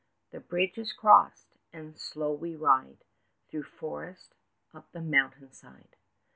The bridge is crossed, and slow we ride, 5 Through forest, up the mountain side.